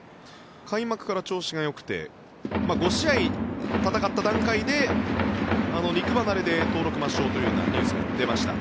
開幕から調子がよくて５試合戦った段階で肉離れで登録抹消というニュースが出ました。